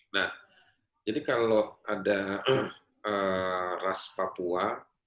nah jadi kalau ada ras papua